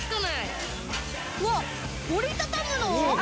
わっ折り畳むの？